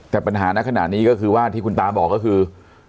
แต่ปัญหาในขณะนี้ก็คือว่าที่คุณตาบอกก็คือ